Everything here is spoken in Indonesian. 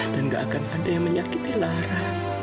dan nggak akan ada yang menyakiti lara